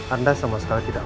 anda sama sekali tidak